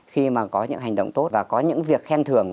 khi mà có những hành động tốt và có những việc khen thưởng